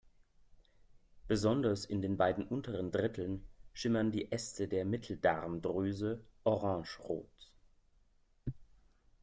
Besonders in den beiden unteren Dritteln schimmern die Äste der Mitteldarmdrüse orangerot.